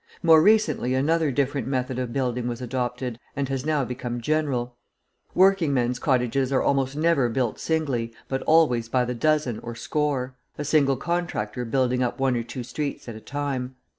More recently another different method of building was adopted, and has now become general. Working men's cottages are almost never built singly, but always by the dozen or score; a single contractor building up one or two streets at a time.